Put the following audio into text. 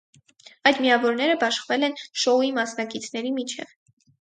Այդ միավորները բաշխվել են շոուի մասնակիցների միջև։